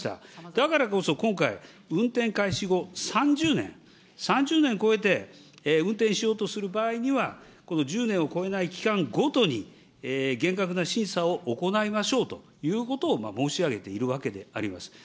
だからこそ今回、運転開始後３０年、３０年超えて、運転しようとする場合には、１０年を超えない期間ごとに、厳格な審査を行いましょうということを申し上げているわけであります。